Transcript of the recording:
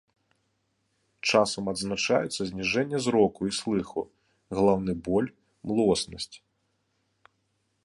Часам адзначаюцца зніжэнне зроку і слыху, галаўны боль, млоснасць.